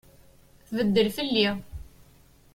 Tbeddel fell-i.